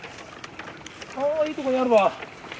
あいいとこにあるわ。